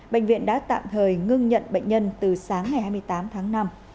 bệnh viện đã tạm thời ngưng nhận bệnh nhân từ sáng ngày hai mươi tám tháng năm